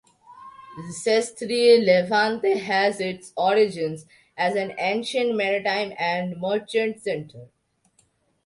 Sestri Levante has its origins as an ancient maritime and merchant center.